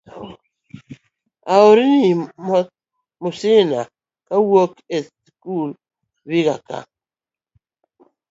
aoroni mosna kawuokb e skul Vanga kae,